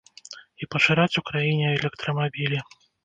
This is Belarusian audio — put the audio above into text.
І пашыраць у краіне электрамабілі.